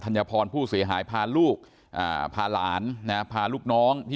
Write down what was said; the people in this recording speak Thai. ัญพรผู้เสียหายพาลูกอ่าพาหลานนะพาลูกน้องที่